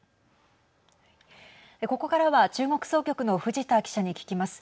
ここからは中国総局の藤田記者に聞きます。